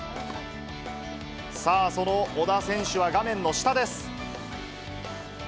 さあ、その小田選手は画面の下です。